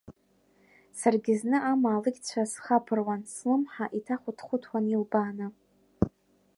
Саргьы зны амаалықьцәа схаԥыруан, слымҳа иҭахәыҭхәыҭуан илбааны.